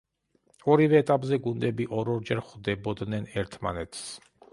ორივე ეტაპზე გუნდები ორ-ორჯერ ხვდებოდნენ ერთმანეთს.